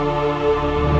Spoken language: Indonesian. aku menerawi atau yang lain